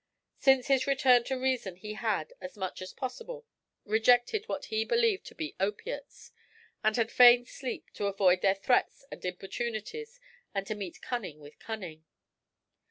Since his return to reason he had, as much as possible, rejected what he believed to be opiates, and had feigned sleep to avoid their threats and importunities, and to meet cunning with cunning.